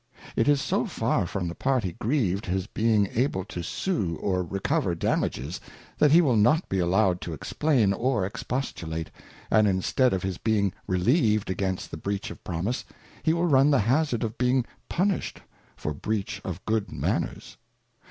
It is so far from the party grieved his being able to sue or recover Damages, that he will not be allowed to explain or expostulate, and instead of his being relieved against the breach of Promise, he will run the hazard of being punished for breach of Good Manners.